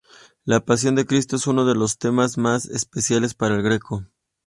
La pasión de Cristo es uno de los temas más especiales para El Greco.